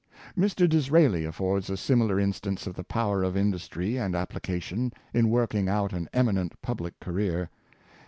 Mr. Disraeli affords a similar instance of the power of industry and application in working out an eminent pubHc career.